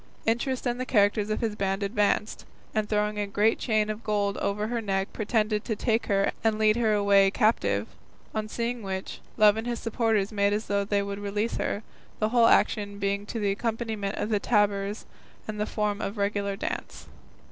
Interest and the characters of his band advanced, and throwing a great chain of gold over her neck pretended to take her and lead her away captive, on seeing which, Love and his supporters made as though they would release her, the whole action being to the accompaniment of the tabors and in the form of a regular dance.